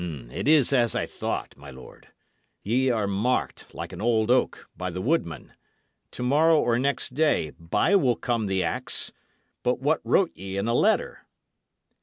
It is as I thought, my lord; y' are marked, like an old oak, by the woodman; to morrow or next day, by will come the axe. But what wrote ye in a letter?"